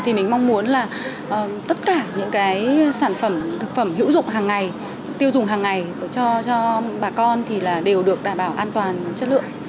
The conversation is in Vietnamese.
thì mình mong muốn là tất cả những cái sản phẩm thực phẩm hữu dụng hàng ngày tiêu dùng hàng ngày cho bà con thì đều được đảm bảo an toàn chất lượng